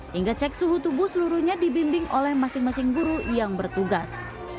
hingga cek suhu tubuh seluruhnya dibimbing oleh masing masing guru yang bertugas